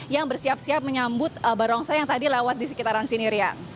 yang bersiap siap menyambut barongsai yang tadi lewat di sekitaran sini rian